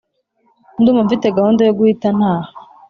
ndumva mfite gahunda yo guhita ntaha